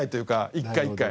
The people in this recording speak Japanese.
一回一回。